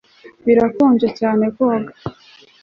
birakonje cyane koga